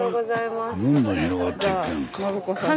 スタジオどんどん広がっていくやんか。